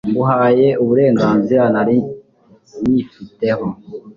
nguhaye uburenganzira nari nyifiteho